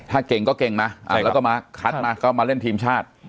ถ้าเก่งก็เก่งแล้วก็มาเล่นกับชาติ